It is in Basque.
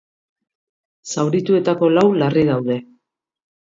Zaurituetako lau larri daude.